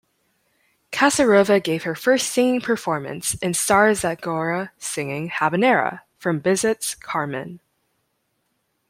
Kasarova gave her first singing performance in Stara Zagora singing "Habanera" from Bizet's "Carmen".